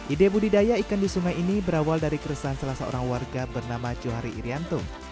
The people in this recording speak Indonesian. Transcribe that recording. ide budidaya ikan di sungai ini berawal dari keresahan salah seorang warga bernama johari irianto